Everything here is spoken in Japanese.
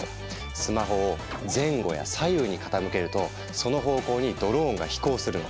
スマホを前後や左右に傾けるとその方向にドローンが飛行するの。